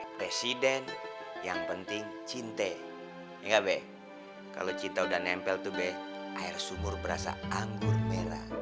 presiden yang penting cinte ya bek kalau kita udah nempel tube air sumur berasa anggur merah